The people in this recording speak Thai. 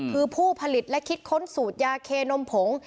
คือผู้ผลิตและคิดค้นสูตรยาเคนมผง